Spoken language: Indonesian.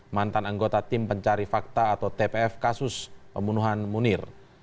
mantan anggota tim pencari fakta atau tpf kasus pembunuhan munir